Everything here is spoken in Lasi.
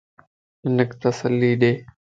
ھنک تسلي ڏي